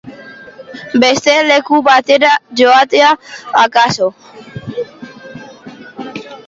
Beste leku batera joatea, akaso.